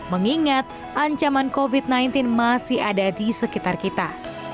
mengingat ancaman covid sembilan belas masih ada di sekitar kita